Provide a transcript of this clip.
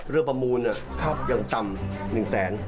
เพื่อประมูลเนี่ยยังต่ำ๑แสน